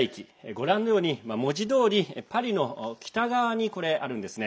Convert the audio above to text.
ご覧のように、文字どおりパリの北側にあるんですね。